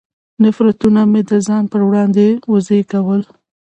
نفرتونه مې د ځان پر وړاندې وزېږول.